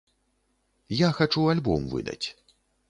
Я хачу альбом выдаць.